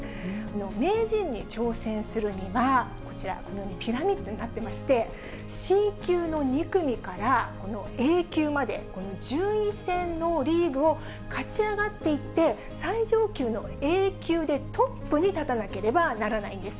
名人に挑戦するには、こちら、このようにピラミッドになってまして、Ｃ級の２組からＡ級まで順位戦のリーグを勝ち上がっていって、最上級のＡ級でトップに立たなければならないんです。